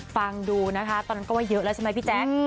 ฟังดูนะคะตอนนั้นก็ว่าเยอะแล้วใช่ไหมพี่แจ๊ค